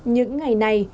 những ngày này